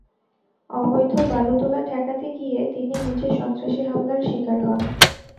অবৈধ বালু তোলা ঠেকাতে গিয়ে তিনি নিজে সন্ত্রাসী হামলার শিকার হন।